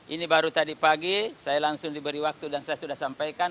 ini baru tadi pagi saya langsung diberi waktu dan saya sudah sampaikan